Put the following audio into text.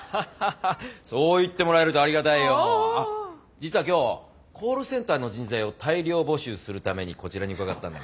実は今日コールセンターの人材を大量募集するためにこちらに伺ったんだけど。